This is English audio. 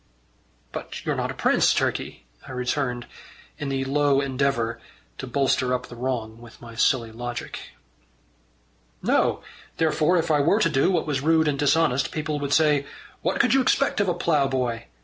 "But you're not a prince, Turkey," I returned, in the low endeavour to bolster up the wrong with my silly logic. "No. Therefore if I were to do what was rude and dishonest, people would say: 'What could you expect of a ploughboy?